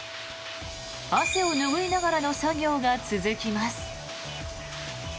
汗を拭いながらの作業が続きます。